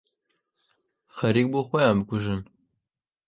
خەریک بوو خۆیان بکوژن.